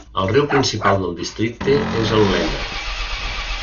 El riu principal del districte és el Lena.